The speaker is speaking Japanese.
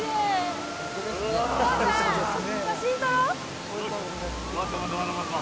お父さん、写真撮ろう。